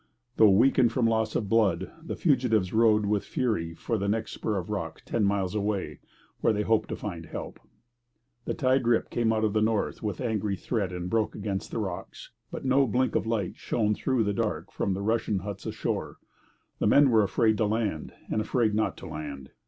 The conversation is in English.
Though weakened from loss of blood, the fugitives rowed with fury for the next spur of rock, ten miles away, where they hoped to find help. The tide rip came out of the north with angry threat and broke against the rocks, but no blink of light shone through the dark from the Russian huts ashore. The men were afraid to land, and afraid not to land.